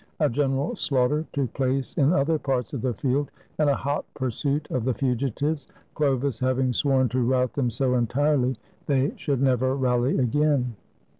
A general slaughter took place in other parts of the field, and a hot pursuit of the fugitives, Chlovis having sworn to rout them so entirely they should never rally again.